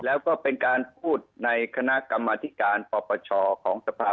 แล้วก็เป็นการพูดในคณะกรรมนาธิการประประชาของทภาพครับ